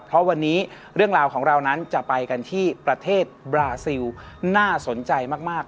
เพราะวันนี้เรื่องราวของเรานั้นจะไปกันที่ประเทศบราซิลน่าสนใจมาก